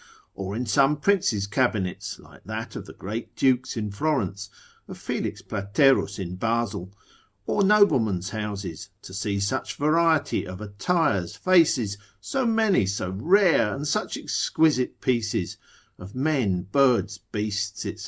Or in some prince's cabinets, like that of the great dukes in Florence, of Felix Platerus in Basil, or noblemen's houses, to see such variety of attires, faces, so many, so rare, and such exquisite pieces, of men, birds, beasts, &c.